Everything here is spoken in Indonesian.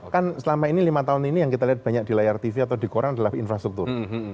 kan selama ini lima tahun ini yang kita lihat banyak di layar tv atau di koran adalah infrastruktur